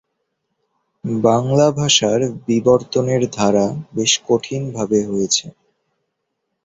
বাংলা ভাষার বিবর্তনের ধারা বেশ কঠিন ভাবে হয়েছে।